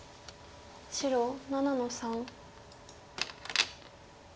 白７の三。